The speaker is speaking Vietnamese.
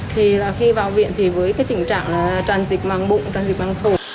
thì là khi vào viện thì với cái tình trạng là tràn dịch bằng bụng tràn dịch bằng khổ